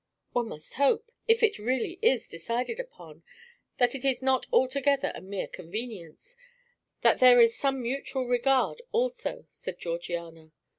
"One must hope, if it really is decided upon, that it is not altogether a mere convenience; that that there is some mutual regard also," said Georgiana.